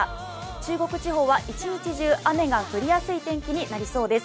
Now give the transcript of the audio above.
中国地方は一日中雨が降りやすい天気になりそうです。